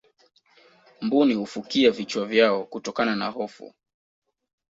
mbuni hufukia vichwa vyao kutokana na hofu